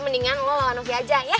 mendingan lo lawan novi aja ya